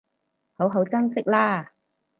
好好珍惜喇